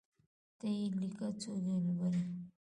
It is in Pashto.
ته یی لیکه څوک یي لولﺉ